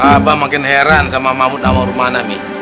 abah makin heran sama mahmud sama romani mi